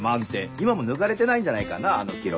今も抜かれてないんじゃないかなあの記録。